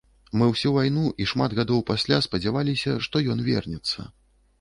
Мы ўсю вайну і шмат гадоў пасля спадзяваліся, што ён вернецца.